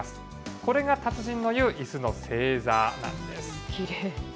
これが達人の言ういすの正座なんきれい。